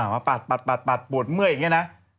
มาปัดปัดปัดปวดเมื่ออย่างนี้นะ